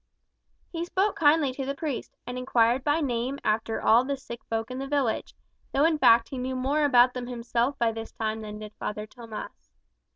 He spoke kindly to the priest, and inquired by name after all the sick folk in the village, though in fact he knew more about them himself by this time than did Father Tomas.